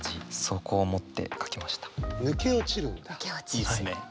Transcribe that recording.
いいですね。